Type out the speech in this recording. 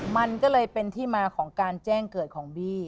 มันก็เลยเป็นที่มาของการแจ้งเกิดของบี้